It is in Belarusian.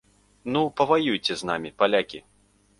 Ну паваюйце з намі, палякі!